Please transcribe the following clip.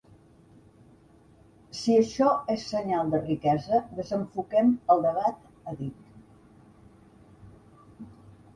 Si això és senyal de riquesa, desenfoquem el debat, ha dit.